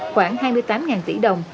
khoảng hai mươi tám tỷ đồng